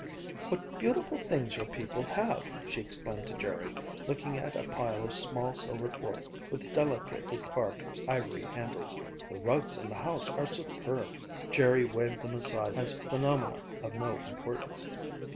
"What beautiful things your people have!" she exclaimed to Jerry, looking at a pile of small silver forks with delicately carved ivory handles. "The rugs in the house are superb." Jerry waved them aside as phenomena of no importance.